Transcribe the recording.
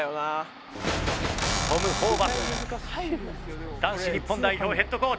トム・ホーバス男子日本代表ヘッドコーチ。